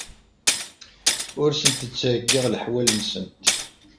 Ur asent-d-ttheyyiɣ leḥwal-nsent.